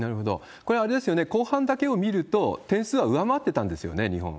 これ、あれですよね、後半だけを見ると、点数は上回ってたんですよね、日本。